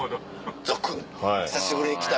「ゾクっ久しぶりにきた！」